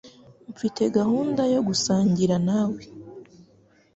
Mfite gahunda yo gusangira nawe.